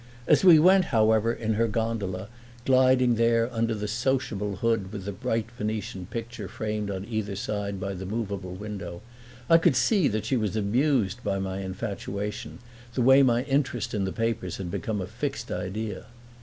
As we went, however, in her gondola, gliding there under the sociable hood with the bright Venetian picture framed on either side by the movable window, I could see that she was amused by my infatuation, the way my interest in the papers had become a fixed idea.